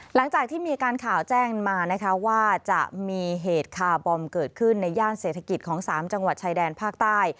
หลังจากที่มีการข่าวแจ้งมานะคะว่าจะมีเหตุคาร์บอมเกิดขึ้นในย่านเศรษฐกิจของ๓จังหวัดชายแดนภาคใต้